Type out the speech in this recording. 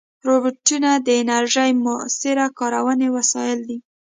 روبوټونه د انرژۍ مؤثره کارونې وسایل دي.